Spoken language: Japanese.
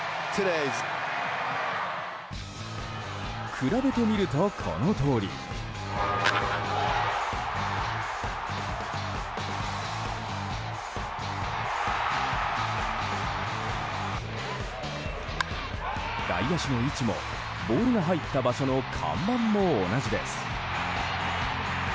比べてみると、このとおり。外野手の位置もボールが入った場所の看板も同じです。